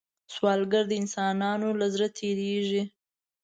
سوالګر د انسانانو له زړه تېرېږي